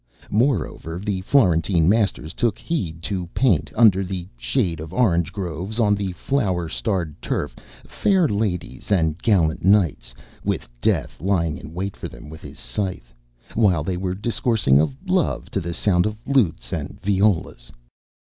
Moreover, the Florentine masters took heed to paint, under the shade of orange groves, on the flower starred turf, fair ladies and gallant knights, with Death lying in wait for them with his scythe, while they were discoursing of love to the sound of lutes and viols.